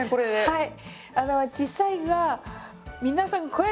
はい。